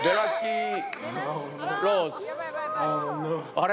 あれ？